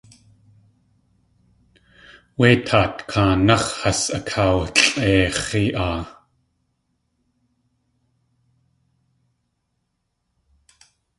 Wé taat kaanax̲ has aawalʼeix̲i aa.